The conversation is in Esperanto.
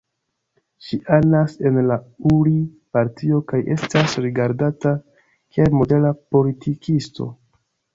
Ŝi anas en la Uri-Partio kaj estas rigardata kiel modera politikisto.